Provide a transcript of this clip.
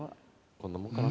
こんなもんかな。